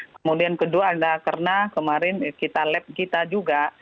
kemudian kedua adalah karena kemarin kita lab kita juga